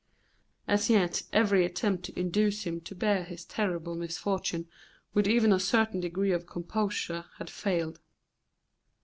As yet every attempt to induce him to bear his terrible misfortune with even a certain degree of composure had failed.